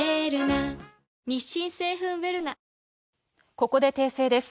ここで訂正です。